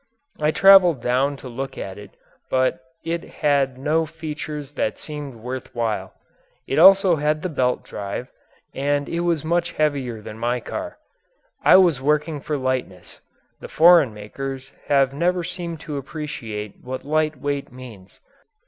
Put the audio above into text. I traveled down to look at it but it had no features that seemed worth while. It also had the belt drive, but it was much heavier than my car. I was working for lightness; the foreign makers have never seemed to appreciate what light weight means.